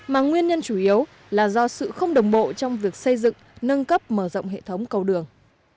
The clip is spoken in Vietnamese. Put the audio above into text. mà nguyên nhân chủ yếu là do sự không đồng bộ trong việc xây dựng nâng cấp mở rộng hệ thống cầu đường